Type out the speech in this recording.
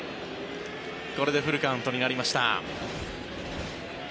これでフルカウントになりました。